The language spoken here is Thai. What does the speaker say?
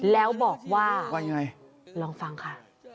แล้วบอกว่าลองฟังค่ะ